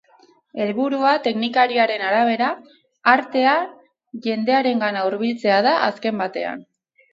Helburua, teknikariaren arabera, artea jendearengana hurbiltzea da azken batean.